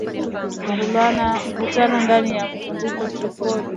mvutano ndani na kuzunguka Tripoli Stephanie Williams